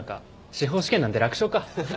司法試験なんて楽勝か。